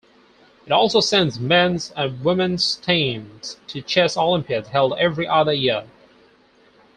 It also sends men's and women's teams to Chess Olympiads held every other year.